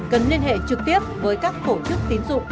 cần liên hệ trực tiếp với các tổ chức tín dụng